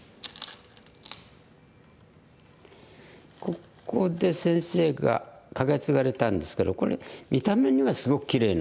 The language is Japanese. ここで先生がカケツガれたんですけどこれ見た目にはすごくきれいなんですけどね。